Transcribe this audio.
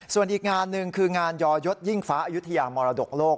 ส่วนอีกงานหนึ่งคืองานยอยศยิ่งฟ้าอายุทยามรดกโลก